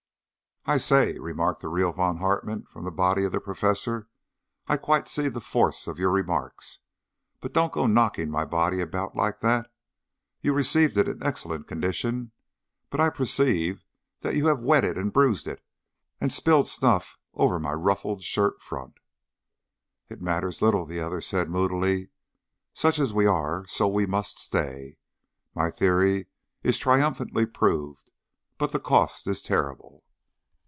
"I say," remarked the real Von Hartmann from the body of the Professor, "I quite see the force of your remarks, but don't go knocking my body about like that. You received it in excellent condition, but I perceive that you have wet it and bruised it, and spilled snuff over my ruffled shirt front." "It matters little," the other said moodily. "Such as we are so must we stay. My theory is triumphantly proved, but the cost is terrible."